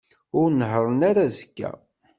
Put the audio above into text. Ur nehhṛen ara azekka.